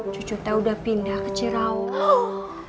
cucu teh udah pindah ke ciraus